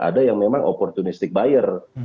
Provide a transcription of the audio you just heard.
ada yang memang opportunistic buyer